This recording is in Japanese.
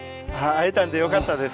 会えたんでよかったですね。